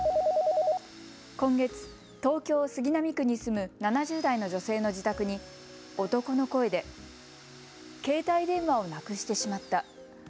今月、東京杉並区に住む７０代の女性の自宅に男の声で携帯電話をなくしてしまった。